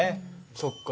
そっか。